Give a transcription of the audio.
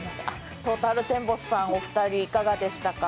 トータルテンボスさん、お二人いかがでしたか？